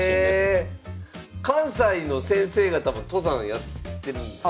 関西の先生方も登山やってるんですか？